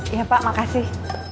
iya pak makasih